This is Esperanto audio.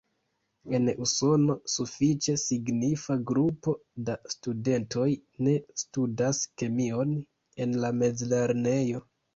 En Usono, sufiĉe signifa grupo da studentoj ne studas kemion en la mezlernejo.